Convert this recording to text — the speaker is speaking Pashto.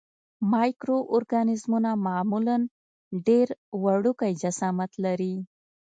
مایکرو ارګانیزمونه معمولاً ډېر وړوکی جسامت لري.